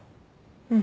うん。